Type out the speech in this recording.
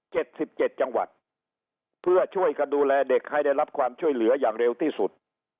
เจ็ดสิบเจ็ดจังหวัดเพื่อช่วยกันดูแลเด็กให้ได้รับความช่วยเหลืออย่างเร็วที่สุด